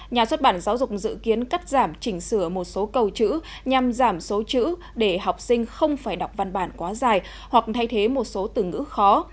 nhà xuất bản giáo dục dự kiến cắt giảm chỉnh sửa một số câu chữ nhằm giảm số chữ để học sinh không phải đọc văn bản quá dài hoặc thay thế một số từ ngữ khó